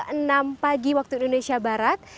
pukul enam pagi waktu indonesia barat